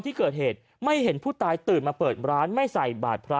ที่เกิดเหตุไม่เห็นผู้ตายตื่นมาเปิดร้านไม่ใส่บาดพระ